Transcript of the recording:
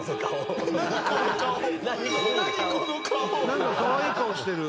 なんかかわいい顔してる。